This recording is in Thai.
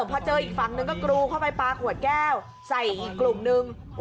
พอเจออีกฝั่งนึงก็กรูเข้าไปปลาขวดแก้วใส่อีกกลุ่มนึง